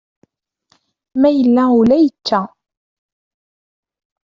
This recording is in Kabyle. Ma yella ula yečča.